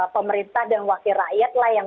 pemerintah dan wakil rakyat lah yang